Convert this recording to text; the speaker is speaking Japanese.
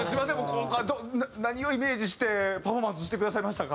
今回何をイメージしてパフォーマンスしてくださいましたか？